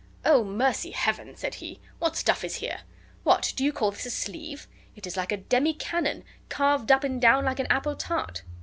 "Oh, mercy, Heaven!" said he, "what stuff is here! What, do you call this a sleeve? it is like a demi cannon, carved up and down like an apple tart."